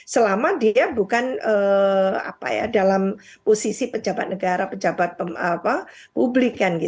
selama dia bukan dalam posisi pejabat negara pejabat publik